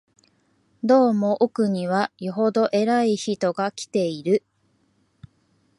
どうも奥には、よほど偉い人が来ている